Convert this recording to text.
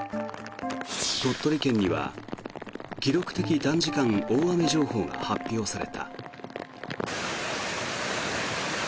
鳥取県には記録的短時間大雨情報が発表された。